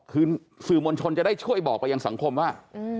คือสื่อมวลชนจะได้ช่วยบอกไปยังสังคมว่า